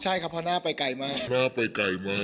ใช่ครับเพราะหน้าไปไกลมาก